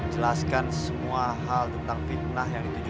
jelaskan semua hal tentang fitnah yang ditujukan